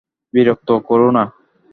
বিরক্ত কোরো না।